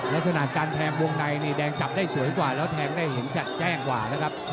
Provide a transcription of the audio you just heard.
ลักษณะการแทงวงในนี่แดงจับได้สวยกว่าแล้วแทงได้เห็นชัดแจ้งกว่านะครับ